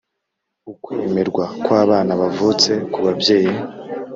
ukwemerwa kw abana bavutse ku babyeyi